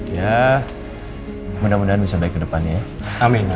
ya mudah mudahan bisa baik kedepannya ya